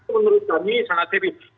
menurut kami sangat serius